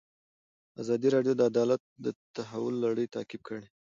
ازادي راډیو د عدالت د تحول لړۍ تعقیب کړې.